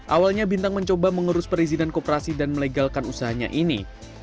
awalnya bintang mencoba mengurus perizinan koperasi dan melegalkan usahanya ini